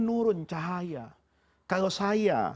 nurun cahaya kalau saya